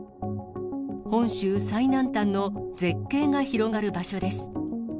本州最南端の絶景が広がる場所です。